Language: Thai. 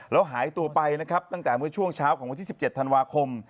แล้วหายตัวไปนะครับตั้งแต่เมื่อช่วงเช้าของวันที่๑๗ธันวาคม